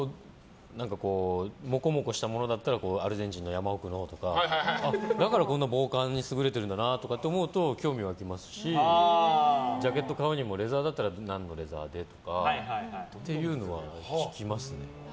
モコモコしたものだったらアルゼンチンの山奥のとかだから、こんな防寒に優れてるんだなとか思うと興味湧きますしジャケット買うにもレザーだったら何のレザーでっていうのは聞きますね。